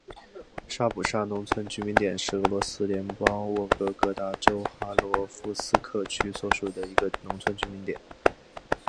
沙普沙农村居民点是俄罗斯联邦沃洛格达州哈罗夫斯克区所属的一个农村居民点。